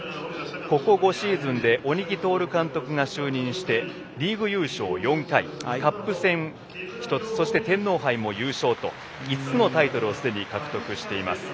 ここ５シーズンで鬼木達監督が就任してリーグ優勝４回、カップ戦１つそして天皇杯も優勝と５つのタイトルをすでに獲得しています。